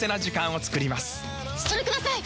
それください！